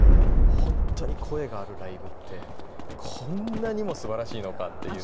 本当に声があるライブってこんなにもすばらしいのかっていうのを。